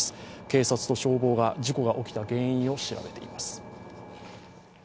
警察と消防が事故が起きた原因を調べています。